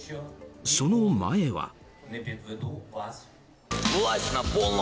その前は。